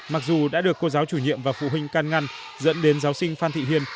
mặc dù đã được cô giáo chủ nhiệm và phụ huynh can ngăn dẫn đến giáo sinh phan thị huyên